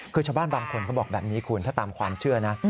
คือชาวบ้านบางคนเขาบอกแบบนี้คุณถ้าตามความเชื่อนะ